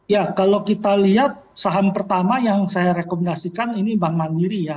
ya kalau kita lihat saham pertama yang saya rekomendasikan ini bank mandiri ya